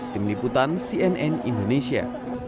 tim liputan cnn indonesia